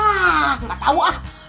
ah gak tahu ah